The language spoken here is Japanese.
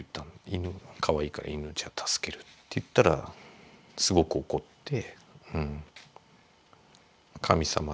「犬かわいいから犬じゃあ助ける」って言ったらすごく怒って。